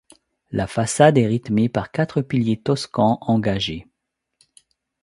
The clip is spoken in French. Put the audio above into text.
La façade est rythmée par quatre piliers toscans engagées.